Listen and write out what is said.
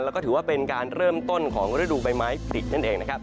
แล้วก็ถือว่าเป็นการเริ่มต้นของฤดูใบไม้ผลินั่นเองนะครับ